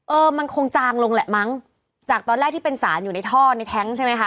เออมันคงจางลงแหละมั้งจากตอนแรกที่เป็นสารอยู่ในท่อในแท้งใช่ไหมคะ